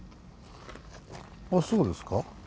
あそうですか。